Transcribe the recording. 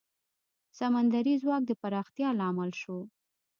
سمندري ځواک د پراختیا لامل شو.